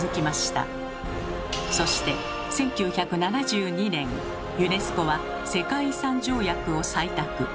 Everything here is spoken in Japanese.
そして１９７２年ユネスコは「世界遺産条約」を採択。